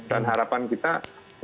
dan harapan kita juga